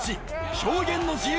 表現の自由！